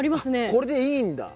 これでいいんだ。